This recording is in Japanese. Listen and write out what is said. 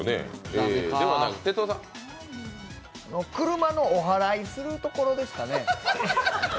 車のおはらいするところですかね。